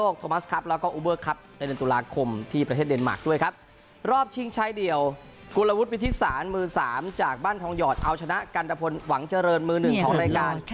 กุลวุฒิวิทธิศาลมือ๓จากบ้านทองหยอดเอาชนะกันตะพลหวังเจริญมือหนึ่งของรายการ